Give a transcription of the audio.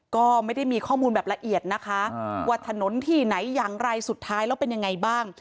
ก็ไม่ได้มีข้อมูลแบบละเอียดนะคะว่าถนนที่ไหนอย่างไรสุดท้ายแล้วเป็นยังไงบ้าง